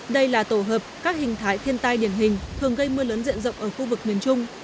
đây là tổ hợp các hình thái thiên tai điển hình thường gây mưa lớn diện rộng ở khu vực miền trung